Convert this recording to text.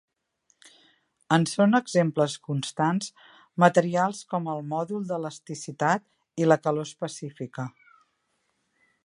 En són exemples constants materials com el mòdul d'elasticitat i la calor específica.